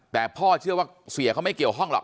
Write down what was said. แต่พ่อเชื่อว่าเสียเขาไม่เกี่ยวข้องหรอก